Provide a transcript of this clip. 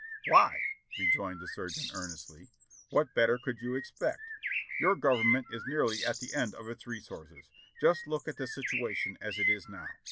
"Why," rejoined the surgeon earnestly, "what better could you expect? Your Government is nearly at the end of its re sources. Just look at the situation as it is now.